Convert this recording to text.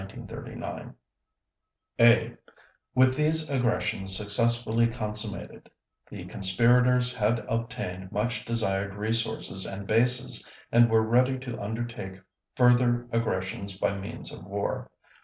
_ (a) With these aggressions successfully consummated, the conspirators had obtained much desired resources and bases and were ready to undertake further aggressions by means of war.